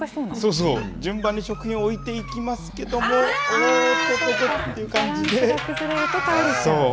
順番に食品を置いていきますけども、おーっとととという感じで。